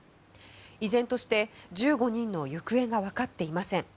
依然として１５人の行方が分かっていません。